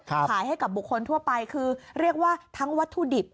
ขายให้กับบุคคลทั่วไปคือเรียกว่าทั้งวัตถุดิบ